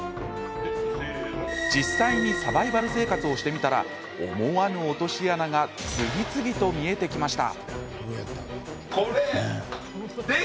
実際にサバイバル生活をしてみたら思わぬ落とし穴が次々と見えてきました。